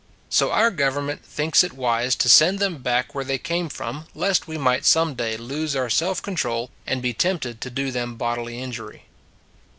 So our government thinks it wise to send them back where they came from lest we might some day lose our self control and be tempted to do them bodily injury.